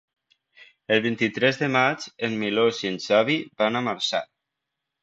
El vint-i-tres de maig en Milos i en Xavi van a Marçà.